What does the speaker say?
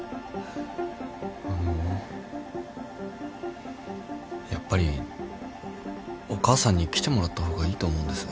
あのやっぱりお母さんに来てもらった方がいいと思うんです。